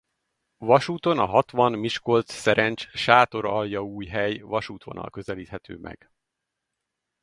Vasúton a Hatvan–Miskolc–Szerencs–Sátoraljaújhely-vasútvonal közelíthető meg.